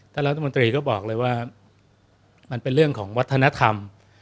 รัฐมนตรีก็บอกเลยว่ามันเป็นเรื่องของวัฒนธรรม